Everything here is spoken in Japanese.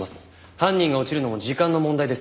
犯人が落ちるのも時間の問題ですよ。